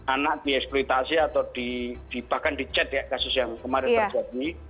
anak dieksploitasi atau di bahkan di chat ya kasus yang kemarin terjadi